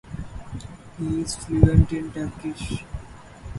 He is fluent in Turkish.